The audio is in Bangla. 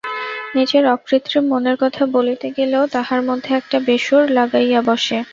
নিজের অকৃত্রিম মনের কথা বলিতে গেলেও তাহার মধ্যে একটা বেসুর লাগাইয়া বসে।